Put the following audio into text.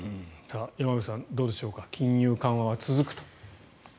山口さん、どうでしょうか金融緩和は続くと。